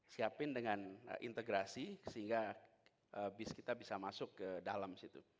siapin dengan integrasi sehingga bis kita bisa masuk ke dalam situ